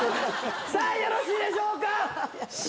さあよろしいでしょうか。